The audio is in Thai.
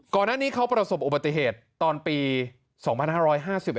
ก่อนหน้านี้เขาประสบอุบัติเหตุตอนปี๒๕๕๑